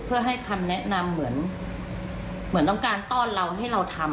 เพื่อให้คำแนะนำเหมือนต้องการต้อนเราให้เราทำ